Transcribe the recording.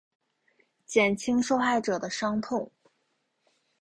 减轻受害者的伤痛